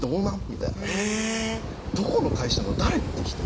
みたいな「どこの会社の誰っていう人？